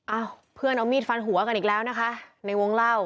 เอ้าเพื่อนเอามีดฟันหัวกันอีกแล้วนะคะในวงเล่า